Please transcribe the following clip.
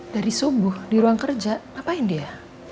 dari subuh di ruang kerja ngapain dia